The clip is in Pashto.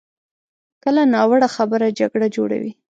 کله ناوړه خبره جګړه جوړوي.